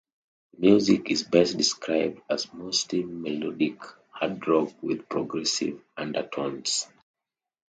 The music is best described as mostly melodic hard rock with progressive undertones.